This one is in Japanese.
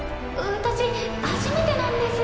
私初めてなんですよ。